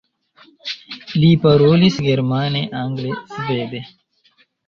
Li parolis germane, angle, svede.